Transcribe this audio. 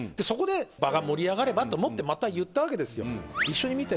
そこで場が盛り上がればと思ってまた言ったわけですよ。